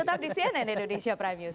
tetap di cnn indonesia prime news